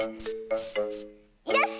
よし！